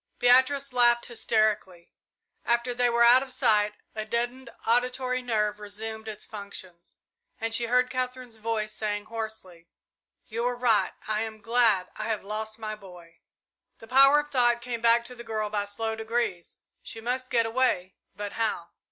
Beatrice laughed hysterically. After they were out of sight, a deadened auditory nerve resumed its functions, and she heard Katherine's voice saying, hoarsely, "You were right I am glad I have lost my boy!" The power of thought came back to the girl by slow degrees. She must get away but how?